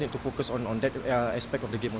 kita harus fokus pada aspek permainan